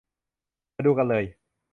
มาดูกันเลย